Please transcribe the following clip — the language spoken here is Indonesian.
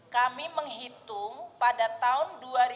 kami menghitung pada tahun dua ribu dua